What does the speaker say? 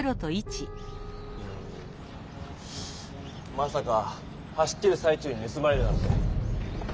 まさか走ってるさい中にぬすまれるなんて。